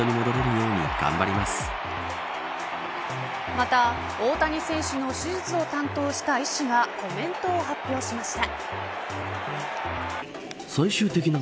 また、大谷選手の手術を担当した医師がコメントを発表しました。